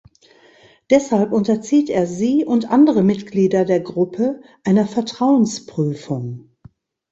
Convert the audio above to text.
Deshalb unterzieht er sie und andere Mitglieder der Gruppe einer Vertrauensprüfung.